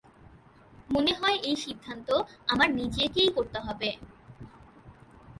মনে হয় এই সিদ্ধান্ত আমার নিজেকেই করতে হবে।